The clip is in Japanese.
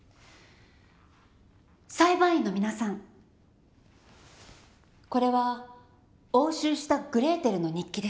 裁判員の皆さんこれは押収したグレーテルの日記です。